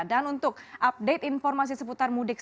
dan untuk update informasi seputar mudik